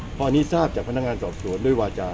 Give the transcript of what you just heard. พออันนี้ทราบจากพนักงานสอบสวนด้วยวาจา